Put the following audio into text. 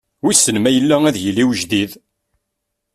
Wissen ma yella ad d-yili wejdid.